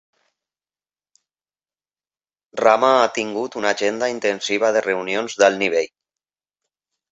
Rama ha tingut una agenda intensiva de reunions d'alt nivell.